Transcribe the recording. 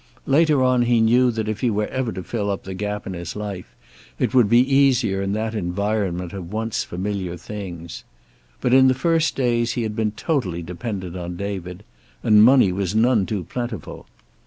Later on he knew that if he were ever to fill up the gap in his life, it would be easier in that environment of once familiar things. But in the first days he had been totally dependent on David, and money was none too plentiful.